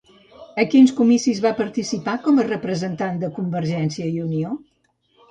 A quins comicis va participar com a representant de Convergiència i Unió?